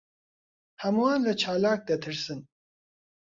ھەمووان لە چالاک دەترسن.